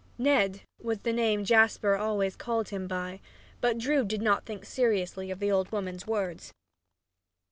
"Ned" was the name Jasper always called him by, but Drood did not think seriously of the old woman's words.